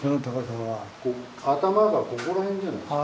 頭がここら辺じゃないですか。